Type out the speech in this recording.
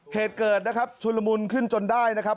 เหตุเกิดนะครับชุนละมุนขึ้นจนได้นะครับ